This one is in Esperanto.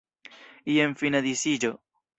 Jen fina disiĝo.